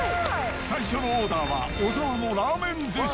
最初のオーダーは小澤のラーメン寿司。